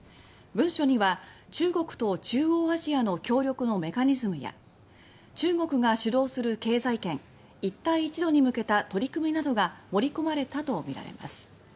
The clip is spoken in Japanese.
文書には中国と中央アジアの協力のメカニズムや中国が主導する経済圏一帯一路に向けた取り組みなどが盛り込まれるとみられます。